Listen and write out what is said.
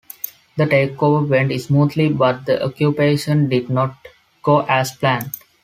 The takeover went smoothly, but the occupation did not go as planned.